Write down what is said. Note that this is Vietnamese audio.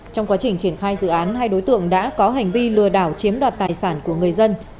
trong quá trình triển khai dự án hai đối tượng đã có hành vi lừa đảo chiếm đoạt tài sản của người dân